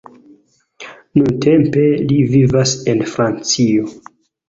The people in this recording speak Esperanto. Nuntempe li vivas en Francio.